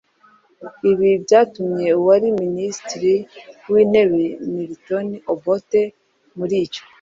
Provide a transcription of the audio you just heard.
Ibi byatumye uwari Minisitiri w’Intebe Milton Obote muri icyo